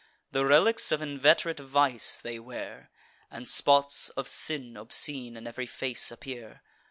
The relics of inveterate vice they wear, And spots of sin obscene in ev'ry face appear.